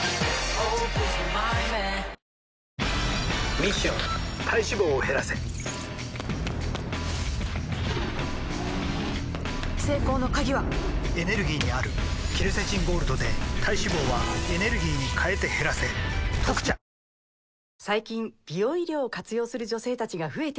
ミッション体脂肪を減らせ成功の鍵はエネルギーにあるケルセチンゴールドで体脂肪はエネルギーに変えて減らせ「特茶」ＧＥＴＲＥＦＲＥＳＨＥＤ！